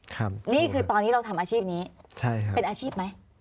นี่คือตอนนี้เราทำอาชีพนี้ใช่ครับเป็นอาชีพไหม